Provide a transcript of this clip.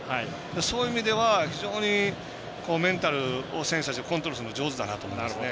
そういう意味では非常にメンタル、選手たちをコントロールするのが上手だなと思いますね。